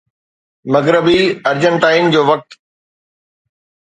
مغربي ارجنٽائن جو وقت